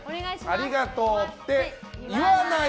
ありがとうって言わない。